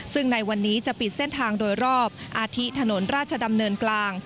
ซึ่งในวันนี้จะปิดเส้นทางโดยรอบอาทิตถนนราชดำเนินกลาง